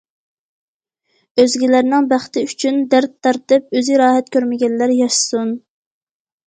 ئۆزگىلەرنىڭ بەختى ئۈچۈن دەرد تارتىپ، ئۆزى راھەت كۆرمىگەنلەر ياشىسۇن!